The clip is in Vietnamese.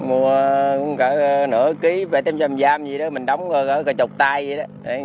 mua cả nửa ký bẻ tím chầm giam gì đó mình đóng cả chục tay vậy đó